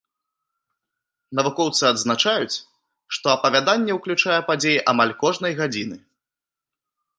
Навукоўцы адзначаюць, што апавяданне ўключае падзеі амаль кожнай гадзіны.